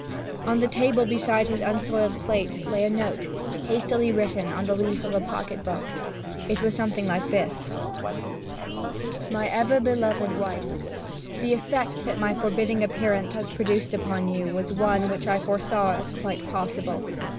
On the table beside his unsoiled plate lay a note, hastily written on the leaf of a pocket book. It was something like this: 'MY EVER BELOVED WIFE The effect that my forbidding appearance has produced upon you was one which I foresaw as quite possible.